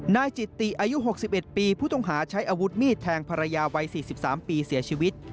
นายจิตตีอายุหกสิบเอ็ดปีผู้ต้องหาใช้อาวุธมีดแทงภรรยาวัยสี่สิบสามปีเสียชีวิต